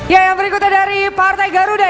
ya yang berikutnya dari partai garuda